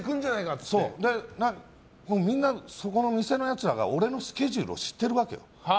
みんな、そこの店のやつらが俺のスケジュールを知ってるわけ。